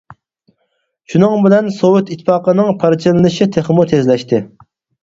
شۇنىڭ بىلەن سوۋېت ئىتتىپاقىنىڭ پارچىلىنىشى تېخىمۇ تېزلەشتى.